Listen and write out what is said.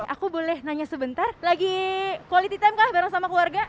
aku boleh nanya sebentar lagi quality time kah bareng sama keluarga